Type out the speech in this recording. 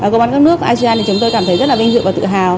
công an các nước asean thì chúng tôi cảm thấy rất là vinh dự và tự hào